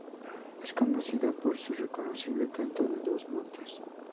Es conocido por su reconocible canto de dos notas.